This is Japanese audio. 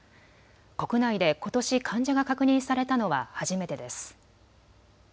国内でことし患者が確認されたのは初めてです。